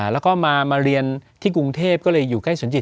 แล้วก็มาเรียนที่กรุงเทพก็เลยอยู่ใกล้สนจิต